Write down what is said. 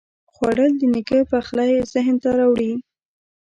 خوړل د نیکه پخلی ذهن ته راوړي